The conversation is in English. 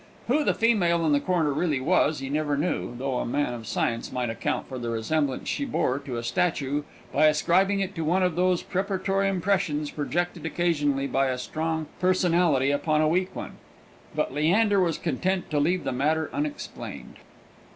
Who the female in the corner really was, he never knew; though a man of science might account for the resemblance she bore to the statue by ascribing it to one of those preparatory impressions projected occasionally by a strong personality upon a weak one. But Leander was content to leave the matter unexplained.